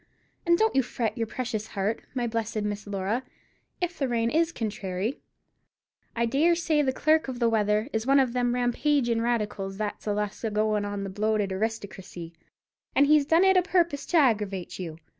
And don't you fret your precious heart, my blessed Miss Laura, if the rain is contrairy. I dare say the clerk of the weather is one of them rampagin' radicals that's allus a goin' on about the bloated aristocracy, and he's done it a purpose to aggeravate you.